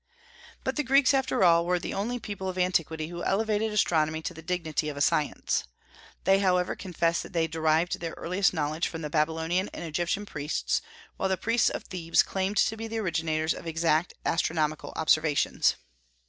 But the Greeks after all were the only people of antiquity who elevated astronomy to the dignity of a science. They however confessed that they derived their earliest knowledge from the Babylonian and Egyptian priests, while the priests of Thebes claimed to be the originators of exact astronomical observations.